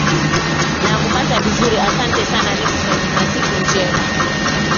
nakupata vizuri asante sana nickson na siku njema